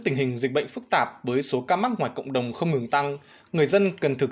một dịch bệnh phức tạp với số ca mắc ngoài cộng đồng không ngừng tăng người dân cần thực